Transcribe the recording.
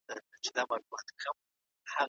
څوک چي په ژوند کي